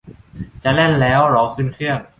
จะแล่นแล้ว รอขึ้นเครื่อง